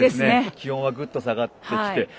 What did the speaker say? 気温がぐっと下がってきて。